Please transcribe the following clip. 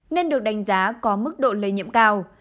nên được đánh giá có mức độ lây nhiễm cao